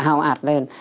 hào ạt lên